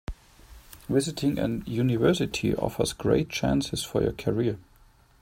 Visiting a university offers great chances for your career.